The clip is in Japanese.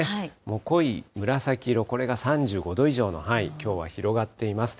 濃い紫色、これが３５度以上の範囲、きょうは広がっています。